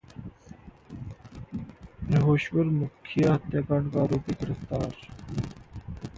ब्रह्मेश्वर मुखिया हत्याकांड का आरोपी गिरफ्तार